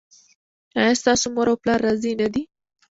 ایا ستاسو مور او پلار راضي نه دي؟